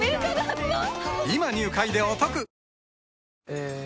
え